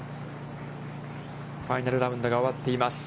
ファイナルラウンドが終わっています。